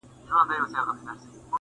• ګلان راوړه سپرلیه له مودو مودو راهیسي,